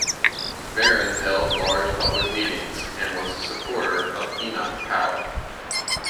Baron held large public meetings and was a supporter of Enoch Powell.